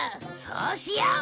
そうしよう！